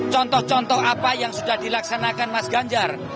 contoh contoh apa yang sudah dilaksanakan mas ganjar